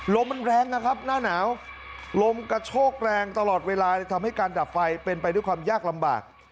ลมมันแรงนะครับหน้าหนาวลมกระโชกแรงตลอดเวลาเลยทำให้การดับไฟเป็นไปด้วยความยากลำบาก